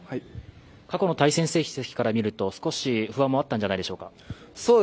過去の対戦成績から見ると少し不安もあったんじゃないでしょうか。